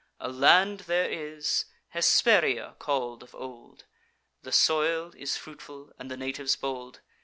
A land there is, Hesperia call'd of old, The soil is fruitful, and the natives bold.